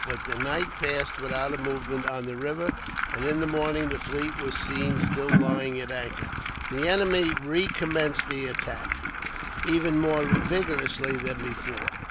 But the night passed without a movement on the river, and in the morning the fleet were seen, still lying at anchor. The enemy recommenced the attack, even more vigorously than before.